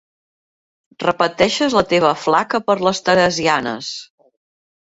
Repeteixes la teva flaca per les teresianes.